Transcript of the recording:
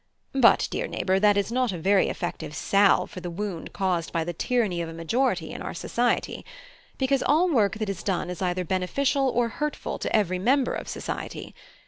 But, dear neighbour, that is not a very effective salve for the wound caused by the 'tyranny of a majority' in our society; because all work that is done is either beneficial or hurtful to every member of society.